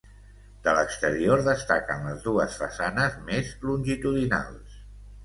De l'exterior destaquen les dues façanes més longitudinals.